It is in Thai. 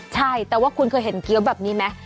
ใช่แต่ว่าคุณเคยเห็นเกี้ยวแบบนี้ไหม